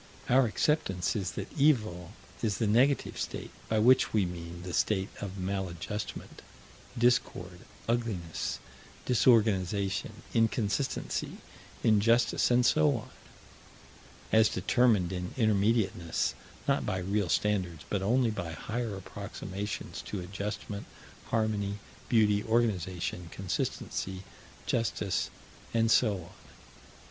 Our acceptance is that Evil is the negative state, by which we mean the state of maladjustment, discord, ugliness, disorganization, inconsistency, injustice, and so on as determined in Intermediateness, not by real standards, but only by higher approximations to adjustment, harmony, beauty, organization, consistency, justice, and so on.